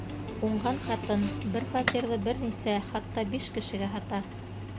Уңған ҡатын бер фатирҙы бер нисә, хатта биш кешегә һата.